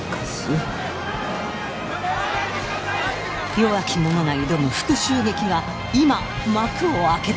弱き者が挑む復讐劇が今幕を開けた。